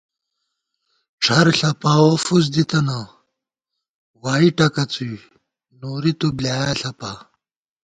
ڄَھر ݪَپاوَہ فُس دِتَنہ، وائی ٹکَڅُوئی نوری تُو بۡلیایا ݪَپا